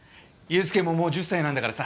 祐介ももう１０歳なんだからさ。